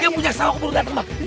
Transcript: yang punya sawah keburu dateng bang